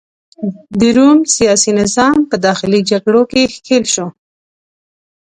د روم سیاسي نظام په داخلي جګړو کې ښکیل شو.